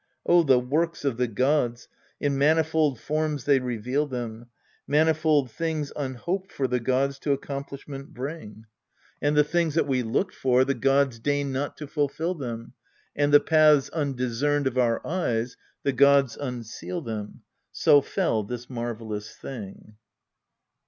Oh, the works of the gods in manifold forms they reveal them : Manifold things unhoped for the gods to accomplishment bring. 238 EURIPIDES And the things that we looked for, the gods deign not to fulfil them ; And the paths undiscerned of our eyes, the gods unseal them. So fell this marvellous thing.